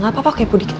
gak apa apa kepo dikit